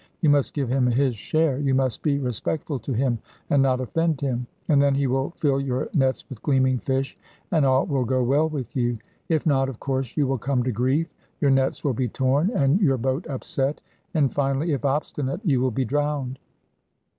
You must give him his share; you must be respectful to him, and not offend him; and then he will fill your nets with gleaming fish, and all will go well with you. If not, of course, you will come to grief; your nets will be torn, and your boat upset; and finally, if obstinate, you will be drowned.